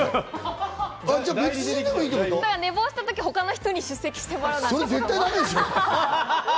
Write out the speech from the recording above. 寝坊した時、他の人に出席してもらえば。